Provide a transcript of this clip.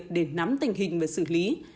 để nắm tình hình và xử lý